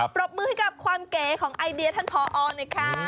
ปรบมือให้กับความเก๋ของไอเดียท่านพอเลยค่ะ